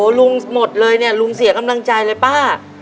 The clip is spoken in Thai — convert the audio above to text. ลุงหมดเลยเนี่ยลุงเสียกำลังใจเลยป้า